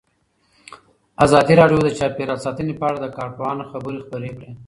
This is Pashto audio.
ازادي راډیو د چاپیریال ساتنه په اړه د کارپوهانو خبرې خپرې کړي.